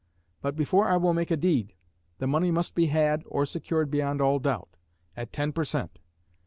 But before I will make a deed, the money must be had, or secured beyond all doubt, at ten per cent.